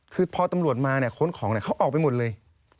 คือพอตำรวจมาเนี่ยค้นของเขาออกไปหมดเลย